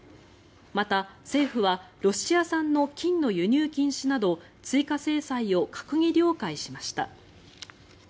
また、政府はロシア産の金の輸入禁止など追加制裁を閣議了解しました。